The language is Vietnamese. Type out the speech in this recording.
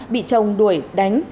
bị chồng đuổi đánh